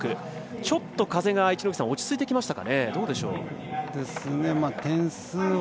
ちょっと風が落ち着いてきましたか。